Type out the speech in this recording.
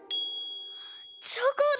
チョコだ。